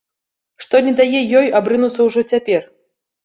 Што не дае ёй абрынуцца ўжо цяпер?